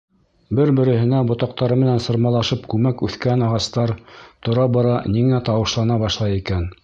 Бер-береһенә ботаҡтары менән сырмалышып күмәк үҫкән ағастар тора-бара ниңә тауышлана башлай икән?